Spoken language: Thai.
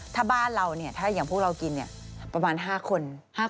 ถ้าบ้านเราเนี่ยถ้าอย่างพวกเรากินประมาณ๕คน